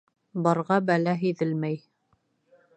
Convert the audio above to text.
Барға бәлә һиҙелмәй.